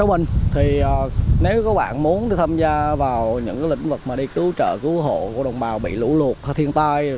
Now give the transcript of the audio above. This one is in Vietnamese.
bình thì nếu các bạn muốn tham gia vào những lĩnh vực mà đi cứu trợ cứu hộ của đồng bào bị lũ lụt thiên tai